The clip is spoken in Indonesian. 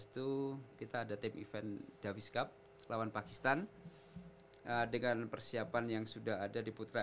itu kita ada tim event davis cup lawan pakistan dengan persiapan yang sudah ada di putra